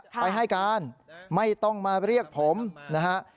ไปให้การไม่ต้องมาเรียกผมนะฮะ